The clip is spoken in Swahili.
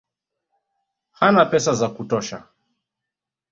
Hana pesa za kutosha